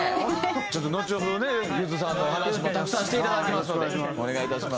ちょっとのちほどねゆずさんのお話もたくさんしていただきますのでお願いいたします。